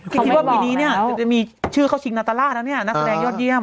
คิดว่าปีนี้เนี่ยจะมีชื่อเขาชิงนาตราดแล้วเนี่ย